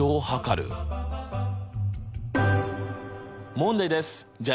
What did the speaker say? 問題です。